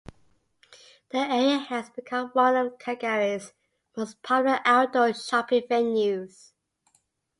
The area has become one of Calgary's most popular outdoor shopping venues.